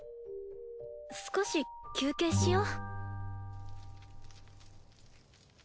少し休憩しよう？